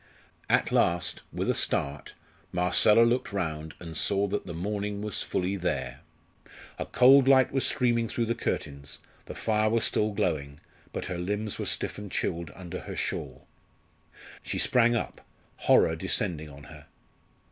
At last, with a start, Marcella looked round and saw that the morning was fully there. A cold light was streaming through the curtains; the fire was still glowing; but her limbs were stiff and chilled under her shawl. She sprang up, horror descending on her.